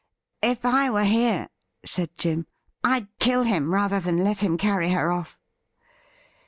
,' If I were here,' said Jim, ' I'd kill him rather than let him carry her off.'